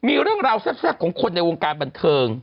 มีเรื่องราวแซ่บของคนในวงการบันเทิง